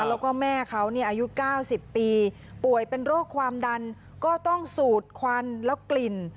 แล้วก็แม่เขาอายุ๙๐ปีป่วยเป็นโรคความดันก็ต้องสูดควันแล้วกลิ่น